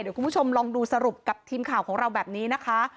เดี๋ยวคุณผู้ชมลองดูสรุปกับทีมข่าวของเราแบบนี้นะคะ